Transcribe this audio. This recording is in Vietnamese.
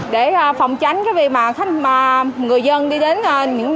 để phòng tránh cái việc mà người dân đi đến những